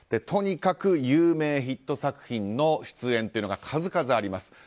とにかく有名ヒット作品の出演が数々あります。